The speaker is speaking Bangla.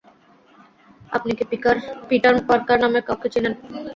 আপনি কি পিটার পার্কার নামে কাউকে চেনেন।